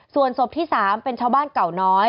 ส่วนศพที่๓เป็นชาวบ้านเก่าน้อย